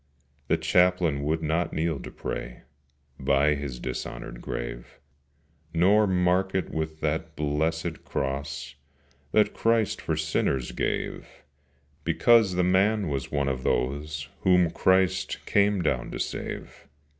The Chaplain would not kneel to pray By his dishonoured grave: Nor mark it with that blessed Cross That Christ for sinners gave, Because the man was one of those Whom Christ came down to save.